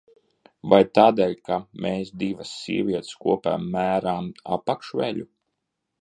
Vai tādēļ, ka mēs, divas sievietes, kopā mērām apakšveļu?